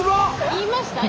言いました？